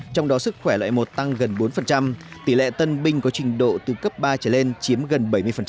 trong đó sức khỏe loại một tăng gần bốn tỷ lệ tân binh có trình độ từ cấp ba trở lên chiếm gần bảy mươi